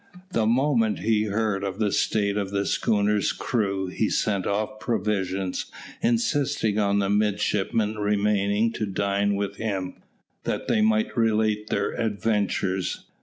The moment he heard of the state of the schooner's crew he sent off provisions, insisting on the midshipmen remaining to dine with him, that they might relate their adventures.